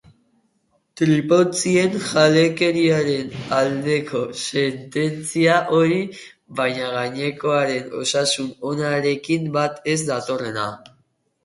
Tripontzien jalekeriaren aldeko sententzia hori, baina gainerakoen osasun onarekin bat ez datorrena.